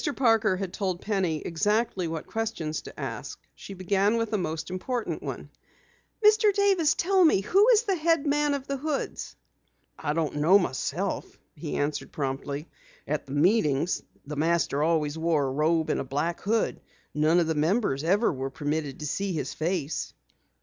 Parker had told Penny exactly what questions to ask. She began with the most important one. "Mr. Davis, tell me, who is the head man of the Hoods?" "I don't know myself," he answered promptly. "At the meetings, the Master always wore a robe and a black hood. None of the members ever were permitted to see his face."